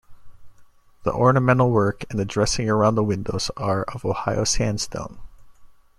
The ornamental work and the dressing round the windows are of Ohio sandstone.